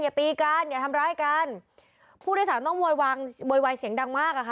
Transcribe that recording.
อย่าตีกันอย่าทำร้ายกันผู้โดยสารต้องโวยวายโวยวายเสียงดังมากอ่ะค่ะ